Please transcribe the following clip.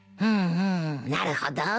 ふんなるほど。